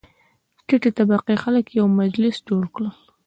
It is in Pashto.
ټیټې طبقې خلک یو مجلس جوړ کړ.